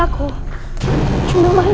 khajan ratus brawn